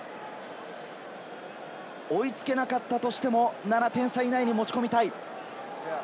追いつけなかったとしても、７点差以内に持ち込みたい。